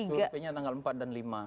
surveinya tanggal empat dan lima